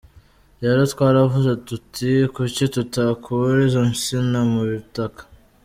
Rero twaravuze tuti, 'Kuki tutakura izo nsina mu butaka?'".